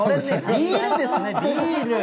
ビールですね、ビール。